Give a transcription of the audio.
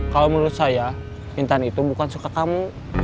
kalau menurut saya intan itu bukan suka kamu